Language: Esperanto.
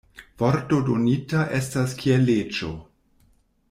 Vorto donita estas kiel leĝo.